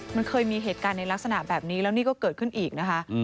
มันเคยมีเหตุการณ์ในลักษณะแบบนี้แล้วนี่ก็เกิดขึ้นอีกนะคะ